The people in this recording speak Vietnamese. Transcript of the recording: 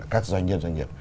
các doanh nhân doanh nghiệp